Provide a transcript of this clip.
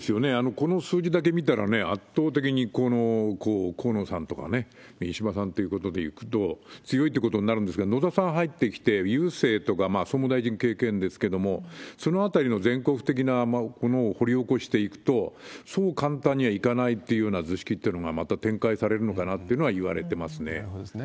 この数字だけ見たら、圧倒的に河野さんとか石破さんとかでいくと、強いってことになるんですが、野田さん入ってきて、郵政とか総務大臣経験ですけれども、そのあたりの全国的なものを掘り起こしていくと、そう簡単にはいかないっていうような図式ってのが、また展開されるのかなっていうのはいわれてますね。